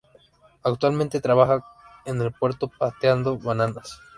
Actualmente trabaja en el puerto pateando bananas.